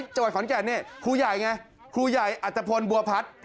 จังหวัดขอนแก่นนี่ครูใหญ่ไงครูใหญ่อัตภพลบัวพัฒน์